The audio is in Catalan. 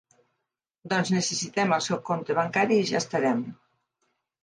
Doncs necessitem el seu compte bancari i ja estarem.